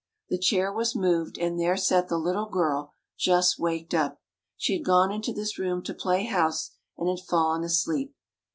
The chair was moved, and there sat the little girl, just waked up. She had gone into this room to play house, and had fallen asleep.